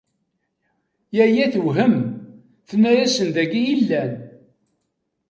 Yaya tewhem, tenna-asen dagi i illan.